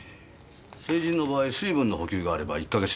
成人の場合水分の補給があれば１か月程度は。